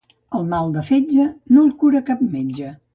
El mal de fetge no el cura cap metge.